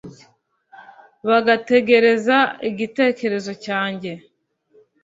bagategereza igitekerezo cyanjye